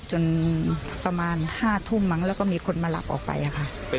จนประมาณ๕ทุ่มมั้งแล้วก็มีคนมารับออกไปค่ะ